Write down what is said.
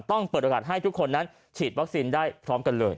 เปิดโอกาสให้ทุกคนนั้นฉีดวัคซีนได้พร้อมกันเลย